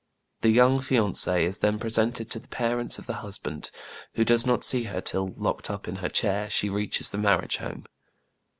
The young fiancée is then presented to the parents of the husband, who does not see her till, locked up in her chair, she reaches the marriage home.